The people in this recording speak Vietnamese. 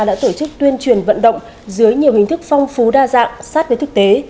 đã tổ chức tuyên truyền vận động dưới nhiều hình thức phong phú đa dạng sát với thực tế